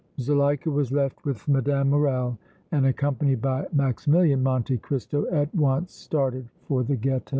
Zuleika was left with Mme. Morrel, and, accompanied by Maximilian, Monte Cristo at once started for the Ghetto.